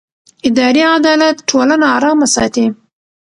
اداري عدالت ټولنه ارامه ساتي